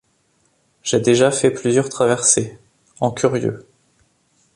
J’ai déjà fait plusieurs traversées… en curieux.